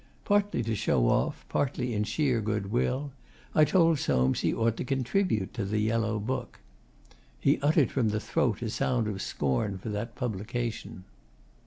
Partly to show off, partly in sheer good will, I told Soames he ought to contribute to 'The Yellow Book.' He uttered from the throat a sound of scorn for that publication.